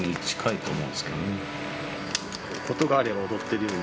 音があれば踊ってるよね